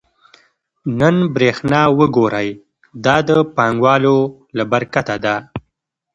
نن برېښنا وګورئ دا د پانګوالو له برکته ده